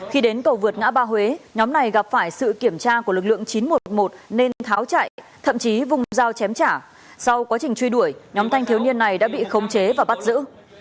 khi đến cầu vượt ngã ba huế nhóm này gặp phải sự kiểm tra của lực lượng chín trăm một mươi một nên tháo chạy thậm chí vùng dao chém trả sau quá trình truy đuổi nhóm thanh thiếu niên này đã bị khống chế và bắt giữ